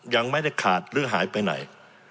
ยังไม่ได้ขาดหรือหายไปไหน